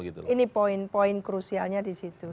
ini poin poin krusialnya di situ